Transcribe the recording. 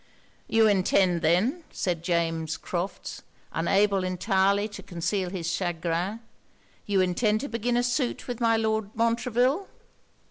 'You intend then,' said James Crofts, unable entirely to conceal his chagrin 'you intend to begin a suit with my Lord Montreville?'